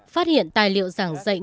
phát hiện tài liệu giảng dạy